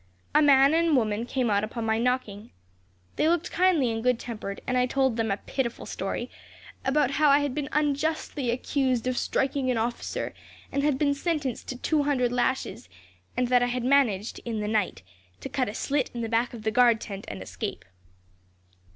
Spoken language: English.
A man and woman came out on my knocking. They looked kindly and good tempered, and I told them a pitiful story, about how I had been unjustly accused of striking an officer, and had been sentenced to two hundred lashes; and that I had managed, in the night, to cut a slit in the back of the guard tent and escape.